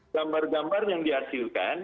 gambar gambar yang dihasilkan